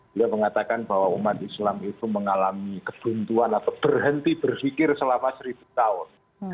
beliau mengatakan bahwa umat islam itu mengalami kebuntuan atau berhenti berfikir selama seribu tahun